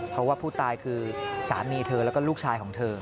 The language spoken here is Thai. เพราะว่าผู้ตายคือสามีเธอแล้วก็ลูกชายของเธอ